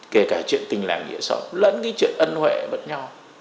kể cả chuyện tình làng nghĩa xã lẫn cái chuyện ân huệ với nhau